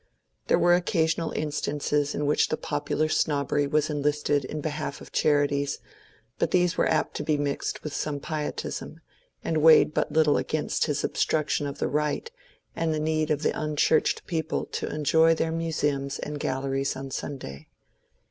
There were occasional instances in which the popular snobbery was enlisted in behalf of charities, but these were apt to be mixed with some pietism, and weighed but little against his obstruc tion of the right and the need of the unchurched people to enjoy their museums and galleries on Sunday.